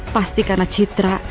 pasti karena citra